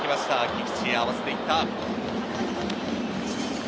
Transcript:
菊池、合わせていった。